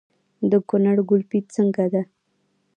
د کونړ ګلپي څنګه ده؟